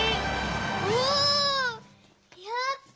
おおやった。